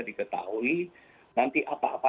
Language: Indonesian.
diketahui nanti apa apa